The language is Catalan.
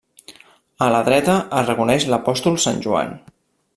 A la dreta es reconeix l'apòstol Sant Joan.